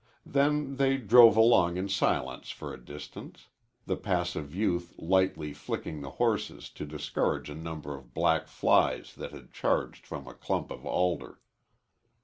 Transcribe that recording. Then they drove along in silence for a distance the passive youth lightly flicking the horses to discourage a number of black flies that had charged from a clump of alder.